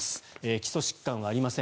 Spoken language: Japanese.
基礎疾患はありません。